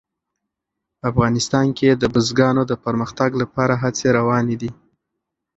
افغانستان کې د بزګانو د پرمختګ لپاره هڅې روانې دي.